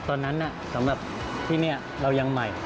ตอนนั้นสำหรับที่นี่เรายังใหม่